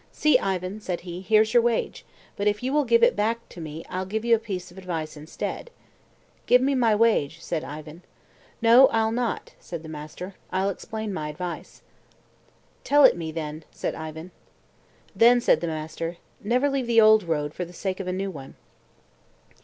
"See, Ivan," said he, "here's your wage; but if you will give it me back I'll give you a piece of advice instead." "Give me my wage," said Ivan. "No, I'll not," said the master; "I'll explain my advice." "Tell it me, then," said Ivan. Then said the master, "Never leave the old road for the sake of a new one."